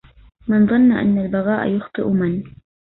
من ظن أن البغاء يخطئ من